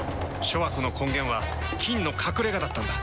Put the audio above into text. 諸悪の根源は「菌の隠れ家」だったんだ。